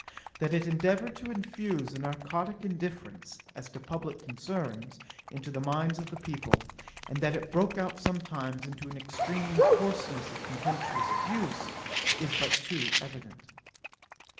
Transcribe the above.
That it endeavoured to infuse a narcotick indifference, as to publick concerns, into the minds of the people, and that it broke out sometimes into an extreme coarseness of contemptuous abuse, is but too evident.